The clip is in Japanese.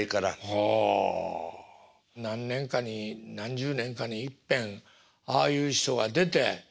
何年かに何十年かにいっぺんああいう人が出て。